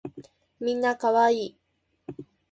みんな可愛い